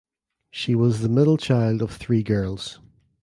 She was the middle child of three girls.